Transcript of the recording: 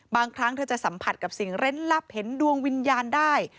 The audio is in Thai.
บางครั้งเธอจะสัมผัสกับสิ่งเล่นลับเห็นดวงวิญญาณได้